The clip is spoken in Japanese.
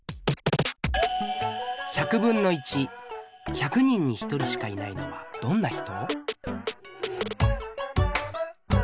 １００人に１人しかいないのはどんな人？